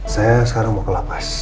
saya sekarang mau ke lapas